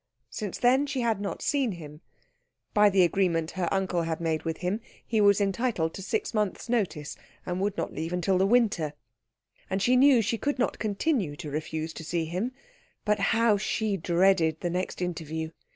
Since then she had not seen him. By the agreement her uncle had made with him, he was entitled to six months' notice, and would not leave until the winter, and she knew she could not continue to refuse to see him; but how she dreaded the next interview!